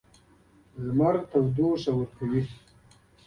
لمر تودوخه ورکوي.